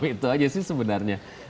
itu aja sih sebenarnya